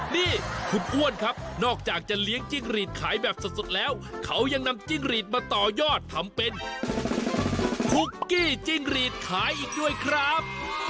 นี่คุณอ้วนครับนอกจากจะเลี้ยงจิ้งหรีดขายแบบสดแล้วเขายังนำจิ้งหรีดมาต่อยอดทำเป็นคุกกี้จิ้งรีดขายอีกด้วยครับ